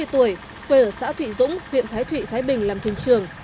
sáu mươi tuổi quê ở xã thụy dũng huyện thái thụy thái bình làm thuyền trưởng